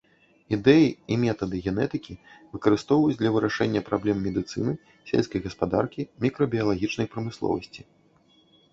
Ідэі і метады генетыкі выкарыстоўваюць для вырашэння праблем медыцыны, сельскай гаспадаркі, мікрабіялагічнай прамысловасці.